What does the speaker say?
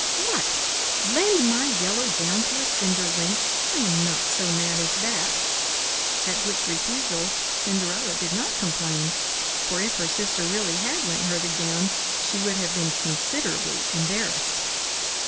"What, lend my yellow gown to a cinder wench! I am not so mad as that;" at which refusal Cinderella did not complain, for if her sister really had lent her the gown, she would have been considerably embarrassed.